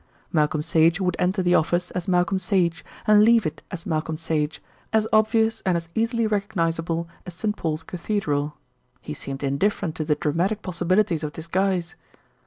Malcolm Sage would enter the office as Malcolm Sage, and leave it as Malcolm Sage, as obvious and as easily recognisable as St. Paul's Cathedral. He seemed indifferent to the dramatic possibilities of disguise.